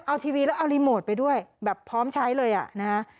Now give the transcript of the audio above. เอาทีวีแล้วเอารีโมทไปด้วยแบบพร้อมใช้เลยอ่ะนะฮะ